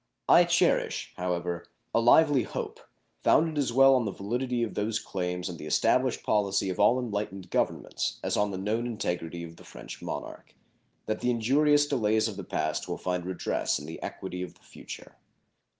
I cherish, however, a lively hope, founded as well on the validity of those claims and the established policy of all enlightened governments as on the known integrity of the French Monarch, that the injurious delays of the past will find redress in the equity of the future.